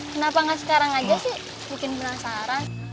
kenapa nggak sekarang aja sih bikin penasaran